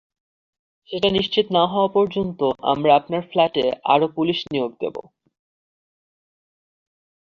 সেটা নিশ্চিত না হওয়া পর্যন্ত আমরা আপনার ফ্ল্যাটে আরো পুলিশ নিয়োগ দেবো।